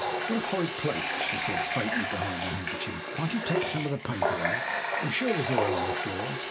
"What a horrid place!" she said faintly behind her handkerchief. "Can't you take some of the paint away? I'm sure there's oil on the floor.